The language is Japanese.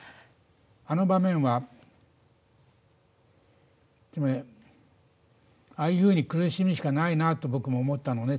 あの場面はああいうふうに苦しむしかないなと僕も思ったのね。